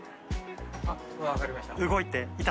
あっ分かりました。